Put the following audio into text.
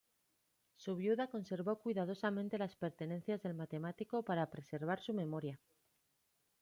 Su viuda conservó cuidadosamente las pertenencias del matemático para preservar su memoria.